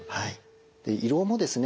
胃ろうもですね